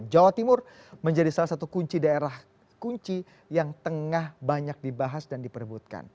jawa timur menjadi salah satu kunci daerah kunci yang tengah banyak dibahas dan diperbutkan